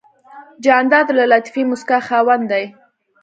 جانداد د لطیفې موسکا خاوند دی.